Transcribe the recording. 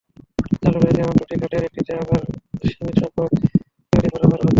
চালু রয়েছে এমন দুটি ঘাটের একটিতে আবার সীমিতসংখ্যক গাড়ি পারাপার হচ্ছে।